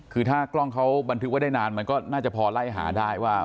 คือถ้ากล้องเขาบันทึกไว้ได้นานมันก็น่าจะพอไล่หาได้ว่า